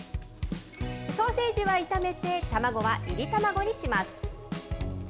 ソーセージは炒めて、卵はいり卵にします。